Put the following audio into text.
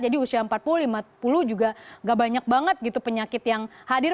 jadi usia empat puluh lima puluh juga gak banyak banget gitu penyakit yang hadir